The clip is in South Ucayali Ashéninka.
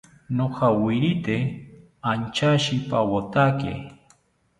Nojawirite anchaishipawotake